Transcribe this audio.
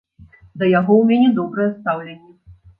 Да яго ў мяне добрае стаўленне.